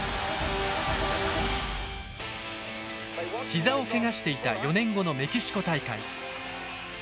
膝をけがしていた４年後のメキシコ大会。